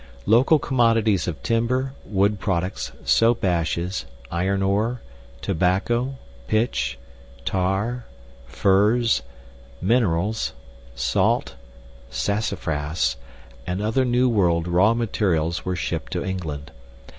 Local commodities of timber, wood products, soap ashes, iron ore, tobacco, pitch, tar, furs, minerals, salt, sassafras, and other New World raw materials were shipped to England.